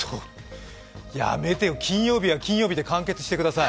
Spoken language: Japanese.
やめてよ、金曜日は金曜日で完結してください。